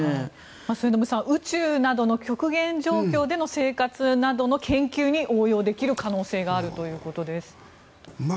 末延さん、宇宙などの極限状況での生活の研究に応用できる可能性があるということです。